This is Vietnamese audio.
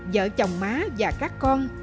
vợ chồng má và các con